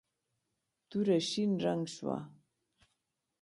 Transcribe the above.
توره شین رنګ شوه.